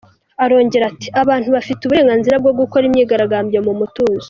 Arongera ati “Abantu bafite uburenganzira bwo gukora imyigaragambyo mu mutuzo.